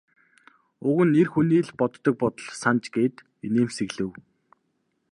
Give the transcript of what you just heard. Уг нь эр хүний л боддог бодол санж гээд инээмсэглэв.